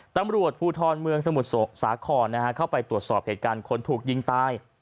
ตำรวจภูทรเมืองสมุทรสาครเข้าไปตรวจสอบเหตุการณ์คนถูกยิงตาย